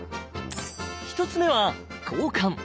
１つ目は交換。